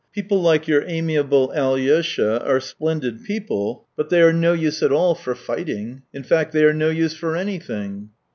People like your a niable Alyosha are splendid 276 THE TALES OF TCHEHOV people, but they are no use at all for fighting. In fact, they are no use for anything."